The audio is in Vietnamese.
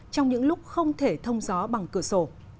trong những lúc không thể thông gió bằng cửa sổ